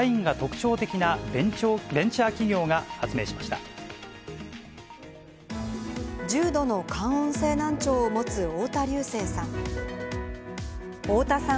重度の感音性難聴を持つ大田竜聖さん。